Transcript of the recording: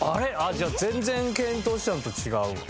じゃあ全然検討してたのと違う。